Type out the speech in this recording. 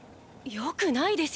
よくないですよ